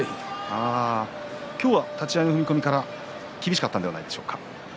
今日は立ち合いの踏み込み厳しかったんではないですか。